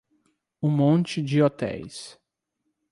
Um monte de hotéis